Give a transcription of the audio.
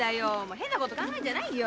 変なこと考えんじゃないよ。